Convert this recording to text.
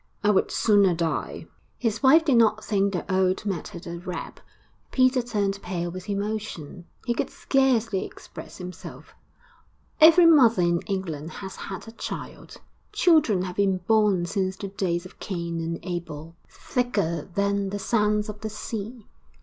I would sooner die.' His wife did not think the ode mattered a rap. Peter turned pale with emotion; he could scarcely express himself. 'Every mother in England has had a child; children have been born since the days of Cain and Abel thicker than the sands of the sea.